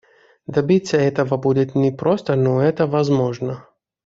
Добиться этого будет непросто, но это возможно.